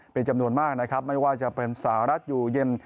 เป็นจำนวนมากนะครับไม่ว่าจะเป็นสหรัฐอยู่เย็น